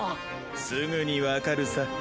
すぐにわかるさ。